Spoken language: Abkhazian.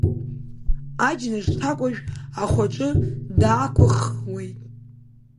Аџьныш ҭакәажә ахәаҿы даақәыххуеит.